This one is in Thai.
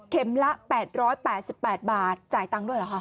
ละ๘๘บาทจ่ายตังค์ด้วยเหรอคะ